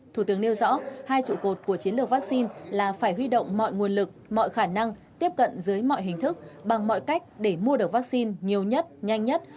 thủ tướng nêu rõ hai trụ cột của chiến lược vaccine là phải huy động mọi nguồn lực mọi khả năng tiếp cận dưới mọi hình thức bằng mọi cách để mua được vaccine nhiều nhất nhanh nhất